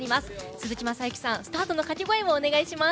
鈴木雅之さん、スタートのかけ声をお願いします。